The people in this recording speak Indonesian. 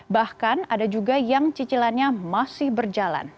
bahkan ada juga yang cicilannya masih berjalan